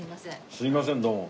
すいませんどうも。